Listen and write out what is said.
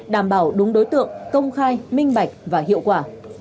đảm bảo đúng đối tượng công khai minh bạch và hiệu quả